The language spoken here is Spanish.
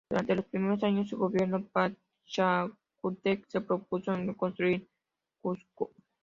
Durante los primeros años de su gobierno, Pachacútec se propuso reconstruir Cusco.